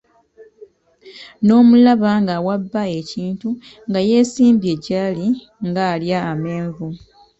N'omulaba ng'awa bba ekintu nga yeesimbye jaali nga alya amenvu!